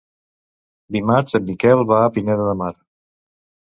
Dimarts en Miquel va a Pineda de Mar.